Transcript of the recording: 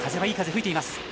いい風が吹いています。